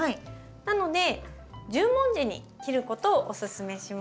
なので十文字に切ることをおすすめします。